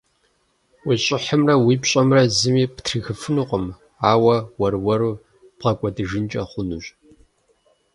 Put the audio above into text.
Уи щӀыхьымрэ уи пщӀэмрэ зыми птрихыфынукъым, ауэ уэр-уэру бгъэкӀуэдыжынкӀэ хъунущ.